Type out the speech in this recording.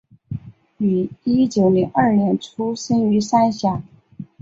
於一九零二年出生于三峡